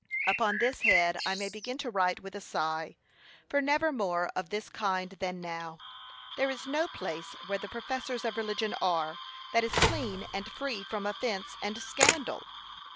Upon this head I may begin to write with a sigh, for never more of this kind than now! There is no place, where the professors of religion are, that is clean and free from offence and scandal.